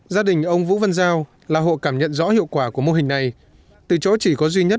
gia đình ông vũ văn giao là hộ cảm nhận rõ hiệu quả của mô hình này từ chỗ chỉ có duy nhất